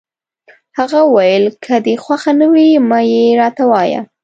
هغه وویل: که دي خوښه نه وي، مه يې راته وایه.